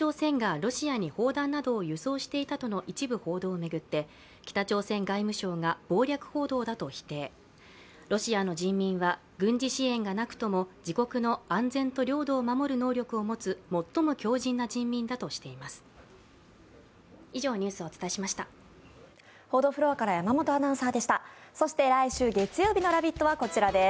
ロシアの人民は軍事支援がなくとも自国の安全と領土を守る能力を持つ最も強じんな人民だとしています。